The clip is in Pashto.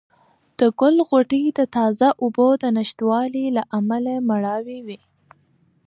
د ګل غوټۍ د تازه اوبو د نشتوالي له امله مړاوې وې.